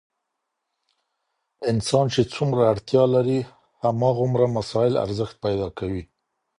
انسان چي څومره اړتیا لري هماغومره مسایل ارزښت پیدا کوي.